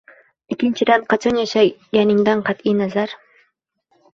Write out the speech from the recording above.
ikkinchidan, qachon yashaganidan qat’i nazar